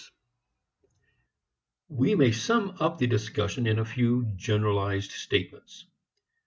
V We may sum up the discussion in a few generalized statements.